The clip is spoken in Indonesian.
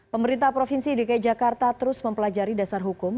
pemerintah provinsi dki jakarta terus mempelajari dasar hukum